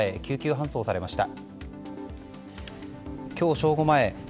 救急搬送されました。